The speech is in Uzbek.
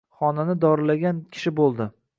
Xonani dorilagan kishi boʻldi.